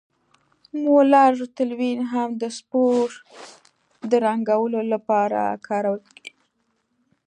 مولر تلوین هم د سپور د رنګولو لپاره کارول کیږي.